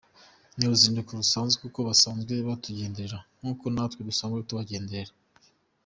Ni uruzinduko rusanzwe kuko basanzwe batugenderera nk’uko natwe dusanzwe tubagenderera.